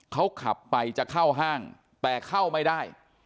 เขาขับไปจะเข้าห้างแต่เข้าไม่ได้